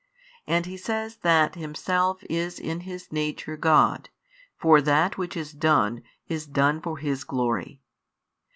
And He says that Himself is in His Nature God, for that which is done, is done for His glory.